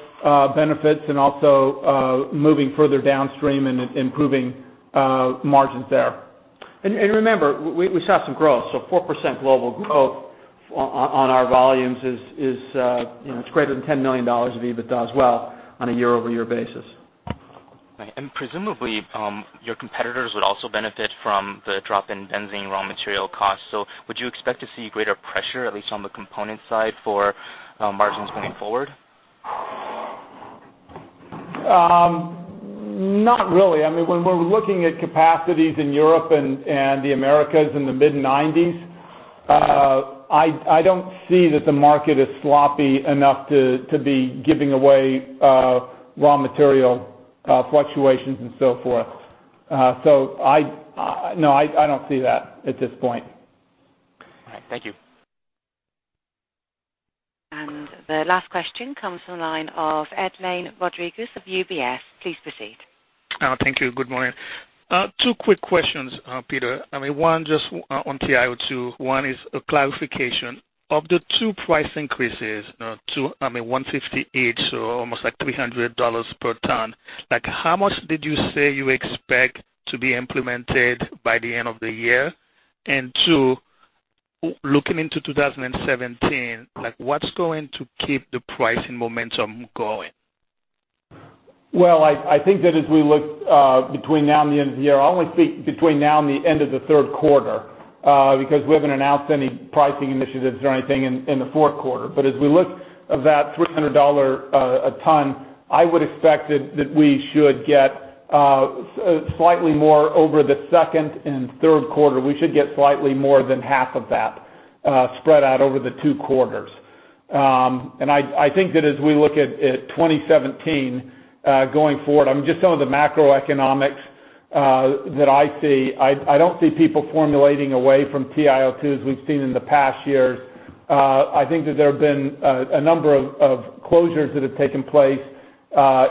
benefits and also moving further downstream and improving margins there. Remember, we saw some growth. 4% global growth on our volumes is greater than $10 million of EBITDA as well on a year-over-year basis. Right. Presumably, your competitors would also benefit from the drop in benzene raw material costs. Would you expect to see greater pressure, at least on the component side, for margins going forward? Not really. When we're looking at capacities in Europe and the Americas in the mid-'90s, I don't see that the market is sloppy enough to be giving away raw material fluctuations and so forth. No, I don't see that at this point. All right. Thank you. The last question comes from the line of Edlain Rodriguez of UBS. Please proceed. Thank you. Good morning. Two quick questions, Peter. One, just on TiO2. One is a clarification. Of the two price increases, I mean, $150 each, so almost like $300 per ton. How much did you say you expect to be implemented by the end of the year? Two, looking into 2017, what's going to keep the pricing momentum going? Well, I think that as we look between now and the end of the year, I only see between now and the end of the third quarter because we haven't announced any pricing initiatives or anything in the fourth quarter. But as we look at that $300 a ton, I would expect that we should get slightly more over the second and third quarter. We should get slightly more than half of that spread out over the two quarters. I think that as we look at 2017 going forward, just some of the macroeconomics that I see, I don't see people formulating away from TiO2 as we've seen in the past years. I think that there have been a number of closures that have taken place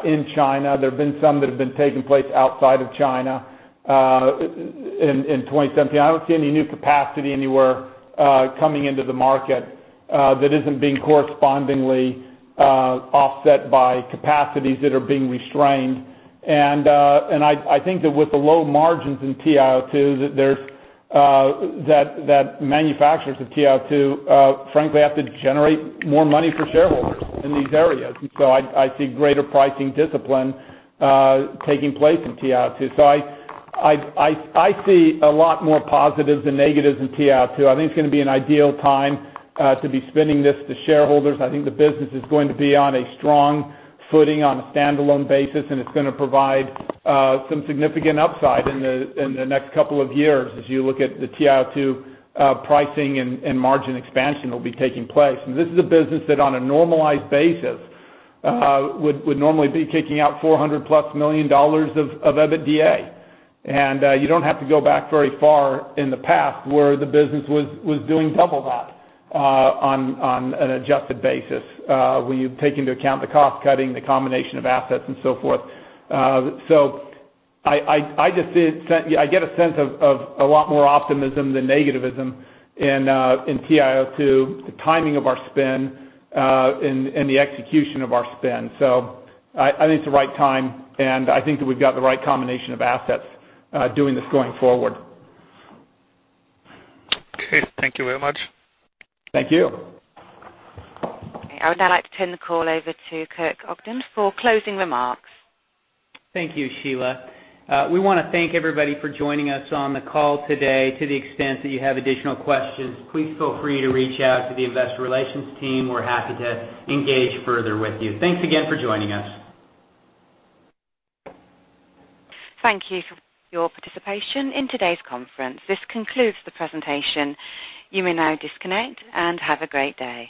in China. There have been some that have been taking place outside of China in 2017. I don't see any new capacity anywhere coming into the market that isn't being correspondingly offset by capacities that are being restrained. I think that with the low margins in TiO2, that manufacturers of TiO2, frankly, have to generate more money for shareholders in these areas. I see greater pricing discipline taking place in TiO2. I see a lot more positives than negatives in TiO2. I think it's going to be an ideal time to be spinning this to shareholders. I think the business is going to be on a strong footing on a standalone basis, and it's going to provide some significant upside in the next couple of years as you look at the TiO2 pricing and margin expansion that will be taking place. This is a business that on a normalized basis would normally be kicking out $400-plus million of EBITDA. You don't have to go back very far in the past where the business was doing double that on an adjusted basis, where you take into account the cost cutting, the combination of assets and so forth. I get a sense of a lot more optimism than negativism in TiO2, the timing of our spin, and the execution of our spin. I think it's the right time, and I think that we've got the right combination of assets doing this going forward. Okay. Thank you very much. Thank you. Okay, I would now like to turn the call over to Kurt Ogden for closing remarks. Thank you, Sheila. We want to thank everybody for joining us on the call today. To the extent that you have additional questions, please feel free to reach out to the investor relations team. We're happy to engage further with you. Thanks again for joining us. Thank you for your participation in today's conference. This concludes the presentation. You may now disconnect, and have a great day.